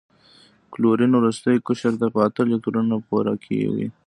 کلورین وروستی قشر په اته الکترونونه پوره کوي.